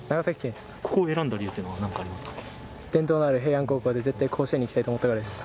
ここを選んだ理由っていうのは何かありますかね